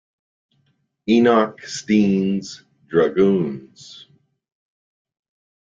Enoch Steen's dragoons.